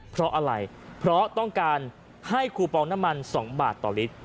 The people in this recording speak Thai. เพราะอะไรเพราะต้องการให้คูปองน้ำมัน๒บาทต่อลิตร